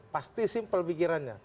pasti simpel pikirannya